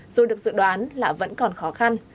dù được dự đoán là vẫn còn khó khăn